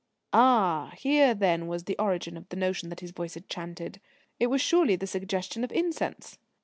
Ah, here then was the origin of the notion that his voice had chanted: it was surely the suggestion of incense.